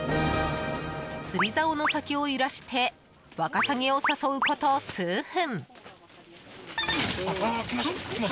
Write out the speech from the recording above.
釣り竿の先を揺らしてワカサギを誘うこと数分。